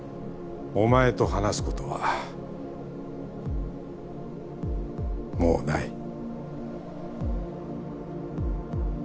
おまえと話すことはもうない。